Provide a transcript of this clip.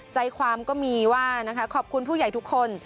ใจความก็มีว่านะคะขอบคุณผู้ใหญ่ทุกคน